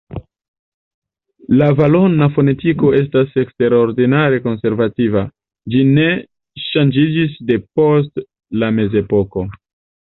La valona fonetiko estas eksterordinare konservativa: ĝi ne ŝanĝiĝis depost la Mezepoko.